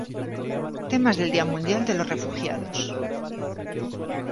Temas del Día Mundial de los Refugiados